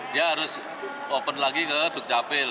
dia harus open lagi ke duk capil